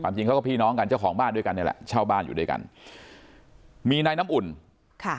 จริงเขาก็พี่น้องกันเจ้าของบ้านด้วยกันเนี่ยแหละเช่าบ้านอยู่ด้วยกันมีนายน้ำอุ่นค่ะ